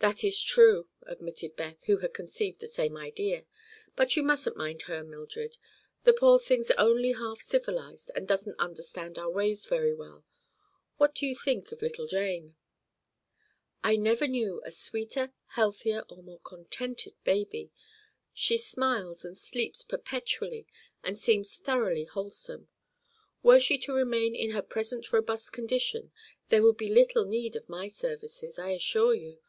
"That is true," admitted Beth, who had conceived the same idea; "but you mustn't mind her, Mildred. The poor thing's only half civilized and doesn't understand our ways very well. What do you think of little Jane?" "I never knew a sweeter, healthier or more contented baby. She smiles and sleeps perpetually and seems thoroughly wholesome. Were she to remain in her present robust condition there would be little need of my services, I assure you.